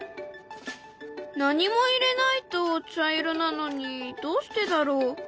何も入れないと茶色なのにどうしてだろう？